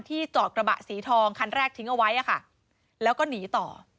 จอดกระบะสีทองคันแรกทิ้งเอาไว้แล้วก็หนีต่อ